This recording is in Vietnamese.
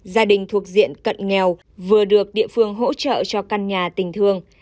gia đình thuộc diện cận nghèo vừa được địa phương hỗ trợ cho căn nhà tình thương